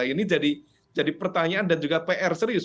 ini jadi pertanyaan dan juga pr serius